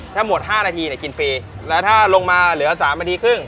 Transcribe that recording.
ถ้าหมด๕นาทีกินฟรีแล้วถ้าลงมาเหลือ๓นาทีครึ่ง